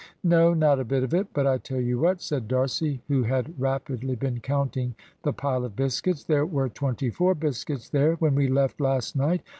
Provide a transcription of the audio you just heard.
"No not a bit of it. But I tell you what," said D'Arcy, who had rapidly been counting the pile of biscuits; "there were twenty four biscuits there when we left last night.